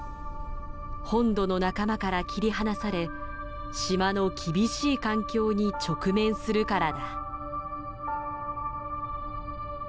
本土の仲間から切り離され島の厳しい環境に直面するからだ。